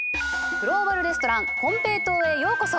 グローバル・レストランこんぺいとうへようこそ！